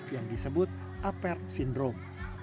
yang disebut apert sindrom